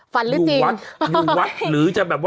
ฟันรึจีน